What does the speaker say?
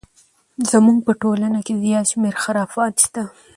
زموږ په ټولنه کې زیات شمیر خرافات شته!